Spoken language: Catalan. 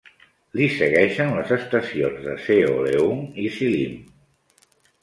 Li segueixen les estacions de Seolleung i Sillim.